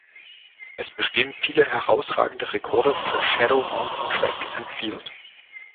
Es bestehen viele herausragende Rekorde für Shadow Mountain Track and Field.